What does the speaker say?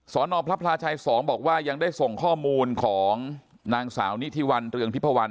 นพระพลาชัย๒บอกว่ายังได้ส่งข้อมูลของนางสาวนิธิวันเรืองทิพวัน